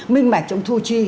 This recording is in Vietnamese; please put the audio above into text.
minh bạch trong thu chi